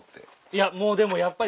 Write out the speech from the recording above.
いやもうでもやっぱり。